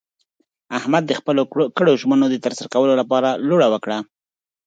احمد د خپلو کړو ژمنو د ترسره کولو لپاره لوړه وکړله.